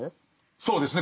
そうですね。